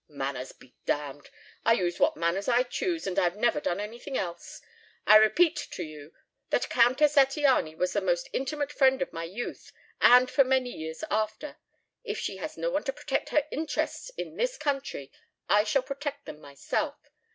"Manners be damned. I use what manners I choose and I've never done anything else. I repeat to you that Countess Zattiany was the most intimate friend of my youth and for many years after. If she has no one to protect her interests in this country, I shall protect them myself.